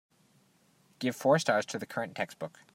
Give four stars to the current textbook